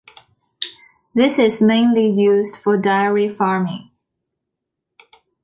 This is mainly used for dairy farming.